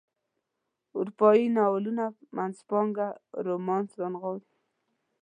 اروپایي ناولونو منځپانګه رومانس رانغاړي.